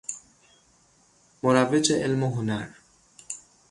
مروج علم و هنر